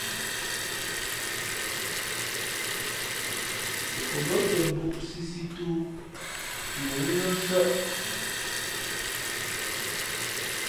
O bα̌tα mbūʼ sīsī tōō mα wúzά nsάʼ.